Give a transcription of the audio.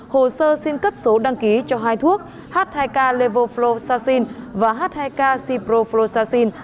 hồ sơ xin cấp số đăng ký cho hai thuốc h hai k levoflosacin và h hai k ciproflosacin